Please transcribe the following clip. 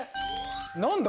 何だ？